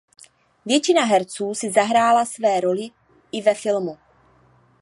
Většina herců si zahrála své roli i ve filmu.